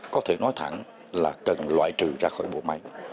có thể nói thẳng là cần loại trừ ra khỏi bộ máy